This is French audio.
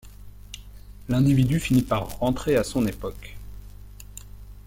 L'individu finit par rentrer à son époque.